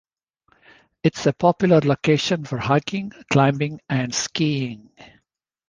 It is a popular location for hiking, climbing and skiing.